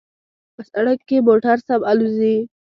په سړک کې موټر سم الوزي